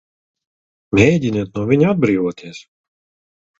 Mēģiniet no viņa atbrīvoties!